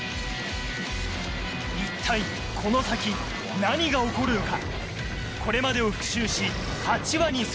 一体この先何が起こるのか